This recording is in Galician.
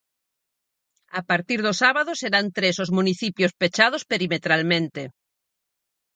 A partir do sábado serán tres os municipios pechados perimetralmente.